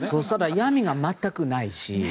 嫌みが全くないし。